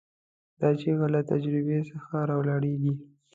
دا چیغه له تجربې څخه راولاړېږي.